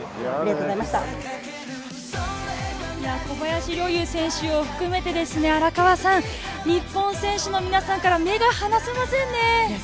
小林陵侑選手を含めて荒川さん、日本選手の皆さんから目が離せませんね。